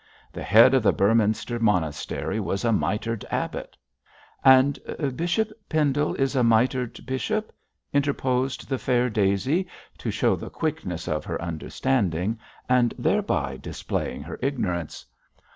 The head of the Bëorhmynster monastery was a mitred abbot ' 'And Bishop Pendle is a mitred bishop,' interposed the fair Daisy, to show the quickness of her understanding, and thereby displaying her ignorance.